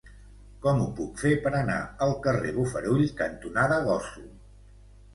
Com ho puc fer per anar al carrer Bofarull cantonada Gósol?